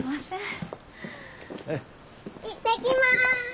行ってきます！